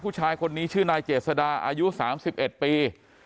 ผู้ชายคนนี้ชื่อนายเจษดาอายุ๓๑ปี